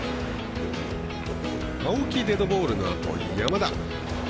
青木デッドボールのあと山田。